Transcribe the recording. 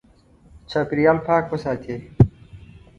چاپېریال پاک وساتې.